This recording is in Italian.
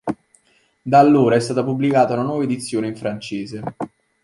Da allora è stata pubblicata una nuova edizione, in francese.